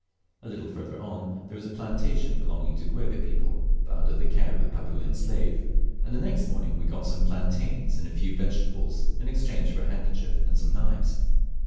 A little further on there was a plantation belonging to Guebe people, but under the care of a Papuan slave, and the next morning we got some plantains and a few vegetables in exchange for a handkerchief and some knives.